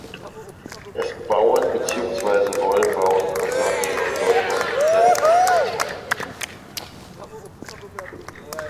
Es bauen beziehungsweise wollen bauen Konsortien aus Deutschland mit niederländischen Anteilen.